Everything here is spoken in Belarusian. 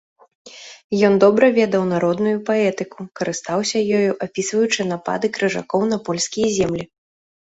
Ён добра ведаў народную паэтыку, карыстаўся ёю, апісваючы напады крыжакоў на польскія землі.